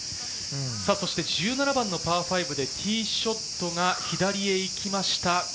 １７番のパー５でティーショットが左へ行きました。